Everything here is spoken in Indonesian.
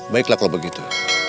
baiklah kalau begitu